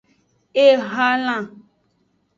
Ehalan.